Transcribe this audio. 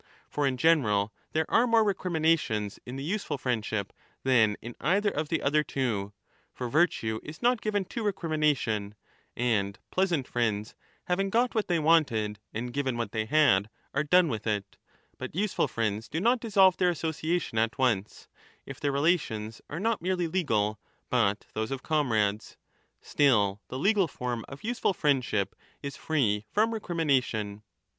For in general there are more recriminations in the useful friend ship than in either of the other two (for virtue is not given to recrimination, and pleasant friends having got what they wanted, and given what they had, are done with it ; but useful friends do not dissolve their association at once, if 5 their relations are not merely legal but those of comrades) ; still the legal form of useful friendship is free from recri mination.